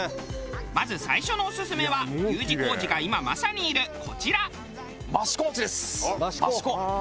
まず最初のオススメはＵ字工事が今まさにいるこちら。